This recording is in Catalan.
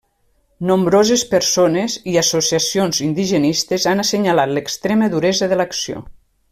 Nombroses persones i associacions indigenistes han assenyalat l'extrema duresa de l'acció.